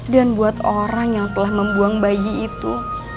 dan buat orang yang telah membuang bayi itu